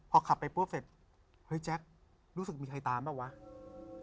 พอขับไปพบเสร็จจ๊ะรู้สึกมีใครตามหรือเปล่าวะ